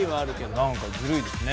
何かずるいですね。